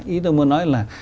ý tôi muốn nói là